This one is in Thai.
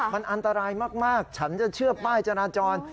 มันอันตรายมากฉันจะเชื่อป้ายจราจร